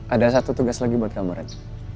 ada satu tugas lagi buat kamu ren